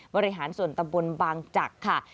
บริหารส่วนตำบลบางจักรค่ะ